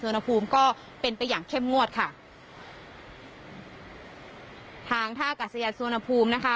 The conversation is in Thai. อุณหภูมิก็เป็นไปอย่างเข้มงวดค่ะทางท่ากัศยาสุวรรณภูมินะคะ